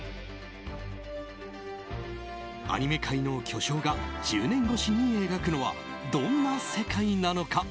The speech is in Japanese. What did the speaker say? アニメ界の巨匠が１０年越しに描くのはどんな世界なのか？